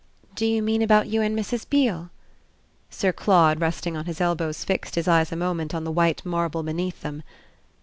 "Do you mean about you and Mrs. Beale?" Sir Claude, resting on his elbows, fixed his eyes a moment on the white marble beneath them.